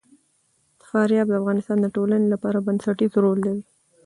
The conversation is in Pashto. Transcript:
فاریاب د افغانستان د ټولنې لپاره بنسټيز رول لري.